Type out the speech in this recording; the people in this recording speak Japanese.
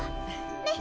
ねっ！